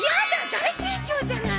大盛況じゃない！